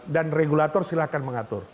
dan regulator silahkan mengatur